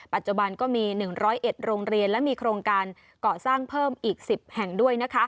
ปัจจุบันก็มี๑๐๑โรงเรียนและมีโครงการก่อสร้างเพิ่มอีก๑๐แห่งด้วย